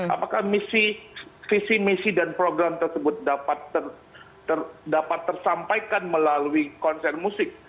apakah misi misi dan program tersebut dapat tersampaikan melalui konser musik